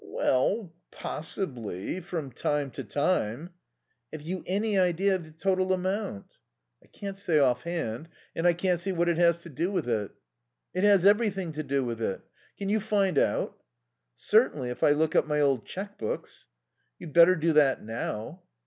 "Well possibly from time to time " "Have you any idea of the total amount?" "I can't say off hand. And I can't see what it has to do with it." "It has everything to do with it. Can you find out?" "Certainly, if I look up my old cheque books." "You'd better do that now."